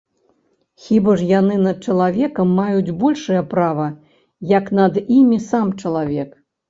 Хіба ж яны над чалавекам маюць большае права, як над імі сам чалавек?